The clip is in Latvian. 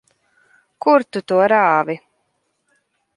Kur tu to rāvi?